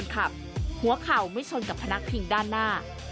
ขับหัวเข่าไม่ชนกับพนักพิงด้านหน้า